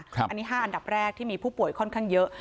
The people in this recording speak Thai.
อันนี้๕อันดับแรกที่มีผู้ป่วยค่อนข้างเยอะ